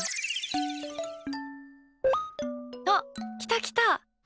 あっ、来た来た。